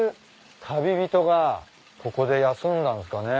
旅人がここで休んだんすかね？